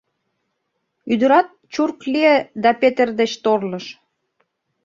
Ӱдырат чурк лие да Петер деч торлыш.